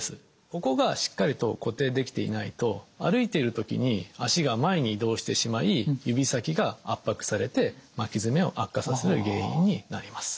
ここがしっかりと固定できていないと歩いている時に足が前に移動してしまい指先が圧迫されて巻き爪を悪化させる原因になります。